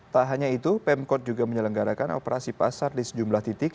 tak hanya itu pemkot juga menyelenggarakan operasi pasar di sejumlah titik